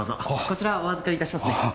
こちらお預かりいたしますね。